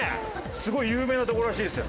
すごい有名なとこらしいですよ